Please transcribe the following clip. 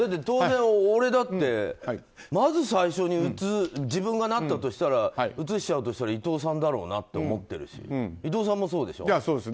当然俺だってまず最初に自分がなったとしたらうつしちゃうとしたら伊藤さんだろうなと思ってるし伊藤さんもそうでしょう。